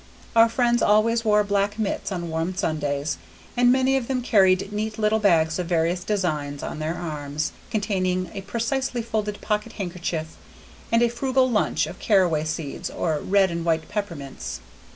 Our friends always wore black mitts on warm Sundays, and many of them carried neat little bags of various designs on their arms, containing a precisely folded pocket handkerchief, and a frugal lunch of caraway seeds or red and white peppermints.